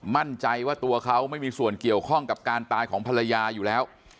มั่นใจว่าตัวเขาไม่มีส่วนเกี่ยวข้องกับการตายของภรรยาอยู่แล้ว